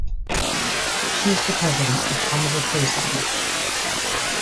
She is the president of Carnival Cruise Line.